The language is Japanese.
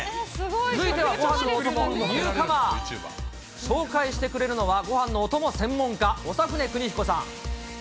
続いてはごはんのお供ニューカマー、紹介してくれるのは、ごはんのお供専門家、長船クニヒコさん。